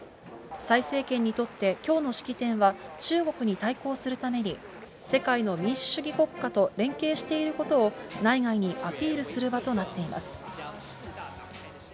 蔡政権にとって、きょうの式典は、中国に対抗するために、世界の民主主義国家と連携していることを内外にアピールする場となっています。